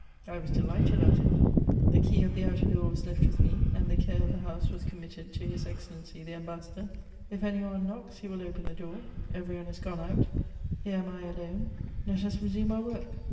I was delighted at it! The key of the outer door was left with me^ and the care of the house was committed to his Excellency the Ambassador ; if any one knocks, he will open the door. Every one is gone out ; here am I alone ; let us resume our work.